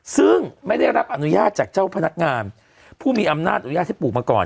ซึ่งไม่ได้รับอนุญาตจากเจ้าพนักงานผู้มีอำนาจอนุญาตให้ปลูกมาก่อน